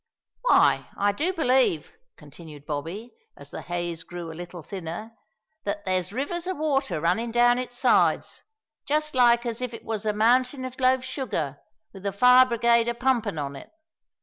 "Why, I do believe," continued Bobby, as the haze grew a little thinner, "that there's rivers of water runnin' down its sides, just like as if it was a mountain o' loaf sugar wi' the fire brigade a pumpin' on it.